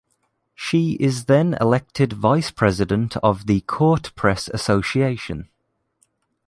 She is then elected vice-president of the court press association.